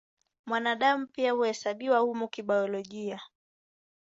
Mwanadamu pia huhesabiwa humo kibiolojia.